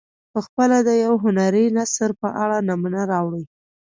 پخپله د یو هنري نثر په اړه نمونه راوړي.